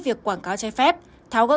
việc quảng cáo trái phép tháo gỡ